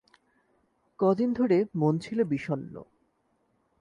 কদিন ধরে মন ছিল বিষণ্ণ।